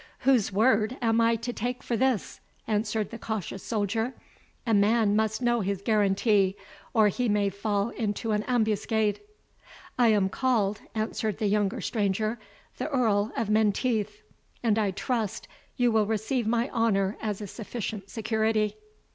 "Whose word am I to take for this?" answered the cautious soldier "A man must know his guarantee, or he may fall into an ambuscade." "I am called," answered the younger stranger, "the Earl of Menteith, and, I trust, you will receive my honour as a sufficient security."